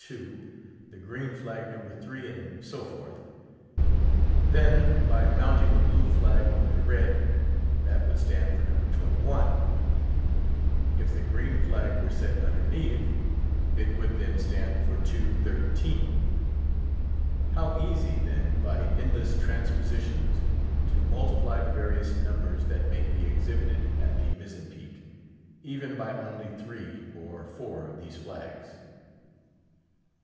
2; the green flag, No. 3, and so forth; then, by mounting the blue flag over the red, that would stand for No. 21: if the green flag were set underneath, it would then stand for 213. How easy, then, by endless transpositions, to multiply the various numbers that may be exhibited at the mizzen peak, even by only three or four of these flags.